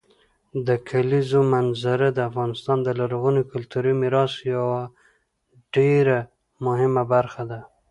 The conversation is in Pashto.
د کلیزو منظره د افغانستان د لرغوني کلتوري میراث یوه ډېره مهمه برخه ده.